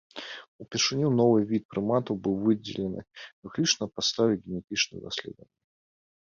Упершыню новы від прыматаў быў выдзелены выключна на падставе генетычных даследаванняў.